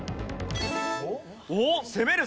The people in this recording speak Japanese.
おっ攻める。